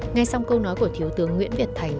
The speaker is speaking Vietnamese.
ngay sau câu nói của thiếu tướng nguyễn việt thành